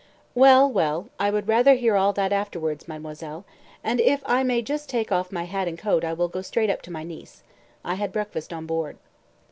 "Well, well, I would rather hear all that afterwards, mademoiselle, and if I may just take off my hat and coat I will go straight up to my niece. I had breakfast on board."